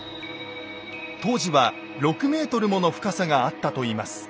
当時は６ｍもの深さがあったといいます。